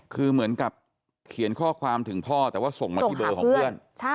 คือเหมือนกับเขียนข้อความถึงพ่อแต่ว่าส่งมาที่เบอร์ของเพื่อน